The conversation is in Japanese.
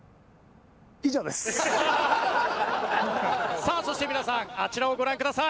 さあそして皆さんあちらをご覧ください。